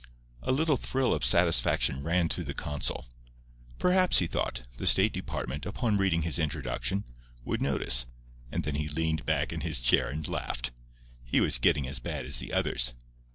A little thrill of satisfaction ran through the consul. Perhaps, he thought, the State Department, upon reading his introduction, would notice—and then he leaned back in his chair and laughed. He was getting as bad as the others.